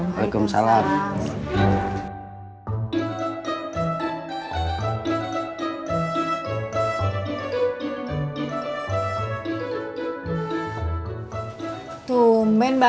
saya jalanin dulu ya